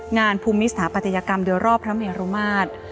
งานภูมิสถาปัตยกรรมโดยรอบพระเมรุมาตร